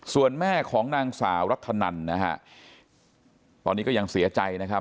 ส่วนแม่ของนางสาวรักษณันตอนนี้ก็ยังเสียใจ